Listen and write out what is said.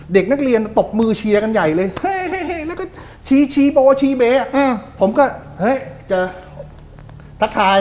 เด็กนักเรียนตกมือเชียร์กันใหญ่เลยเฮ้ยเฮ้ยเฮ้ยแล้วก็เชียร์เชียร์โป้เชียร์เบ๊ผมก็เฮ้ยเจอทักทาย